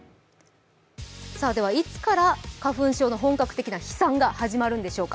いつから花粉の本格的な飛散が始まるのでしょうか。